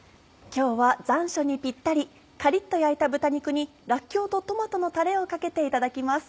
今日は残暑にピッタリカリっと焼いた豚肉にらっきょうとトマトのたれをかけていただきます。